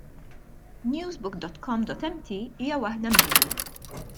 Newsbook. com. mt hija waħda minnhom.